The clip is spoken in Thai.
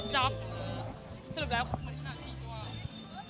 อยากได้แม่เอาด้วย